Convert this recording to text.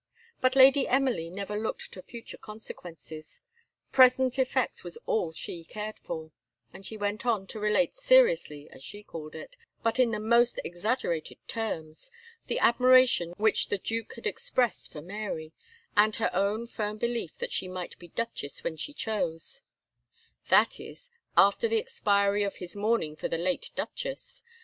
But Lady Emily never looked to future consequences present effect was all she cared for; and she went on to relate seriously, as she called it, but in the most exaggerated terms, the admiration which the Duke had expressed for Mary, and her own firm belief that she might be Duchess when she chose; "that is, after the expiry of his mourning for the late Duchess.